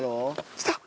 来た！